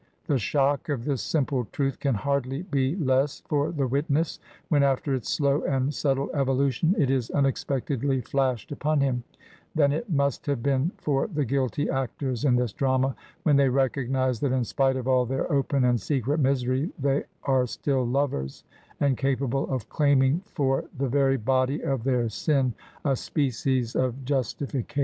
The shock of this simple truth can hardly be less for the witness, when, after its slow and subtle evolution, it is unexpectedly flashed upon him, than it must have been for the guilty actors in this drama, when they recognize that, in spite of all their open and secret misery, they are still lovers, and capable of claiming for the very body of their sin a species of justification.